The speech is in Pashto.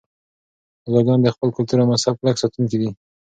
ابدالیان د خپل کلتور او مذهب کلک ساتونکي دي.